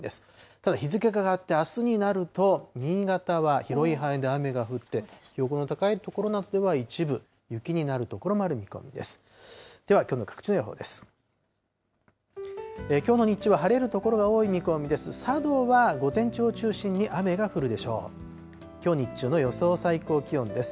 ただ日付が変わって、あすになると、新潟は広い範囲で雨が降って、標高の高い所などでは一部雪になる所もある見込みです。